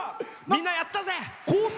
みんな、やったぜ！